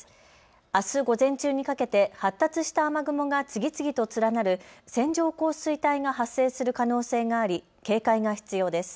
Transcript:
あす午前中にかけて発達した雨雲が次々と連なる線状降水帯が発生する可能性があり警戒が必要です。